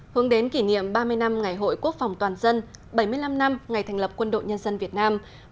hướng đến kỷ niệm ba mươi năm ngày hội quốc phòng toàn dân bảy mươi năm năm ngày thành lập quân đội nhân dân việt nam